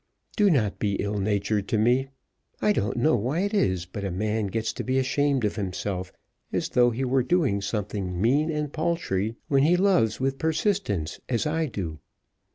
"Do not be ill natured to me. I don't know why it is but a man gets to be ashamed of himself, as though he were doing something mean and paltry, when he loves with persistence, as I do."